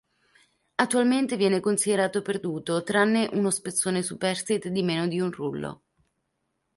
Attualmente, viene considerato perduto, tranne uno spezzone superstite di meno di un rullo.